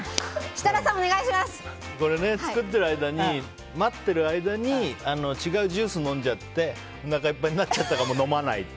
これ、作ってて待ってる間に違うジュースを飲んじゃっておなかいっぱいになっちゃったから飲まない。